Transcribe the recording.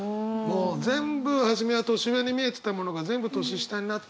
もう全部初めは年上に見えてたものが全部年下になってって。